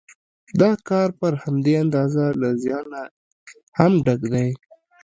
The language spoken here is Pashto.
دا کار پر همدې اندازه له زیانه هم ډک دی